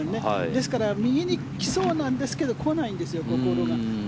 ですから右に来そうなんですが来ないんですよ、ボールが。